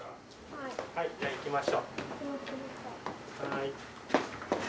はいじゃあ行きましょう。